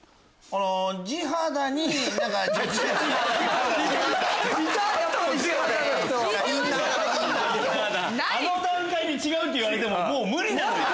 ⁉あの段階で「違う」って言われてももう無理なのよ！